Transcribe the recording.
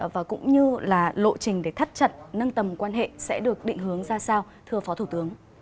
và cũng như là lộ trình để thắt chặt nâng tầm quan hệ sẽ được định hướng ra sao thưa phó thủ tướng